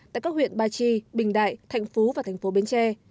tại các huyện ba chi bình đại thạnh phú và thành phố bến tre